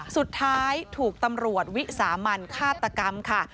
สุดท้ายถูกตำรวจวิสามันฆาตกรรมค่ะ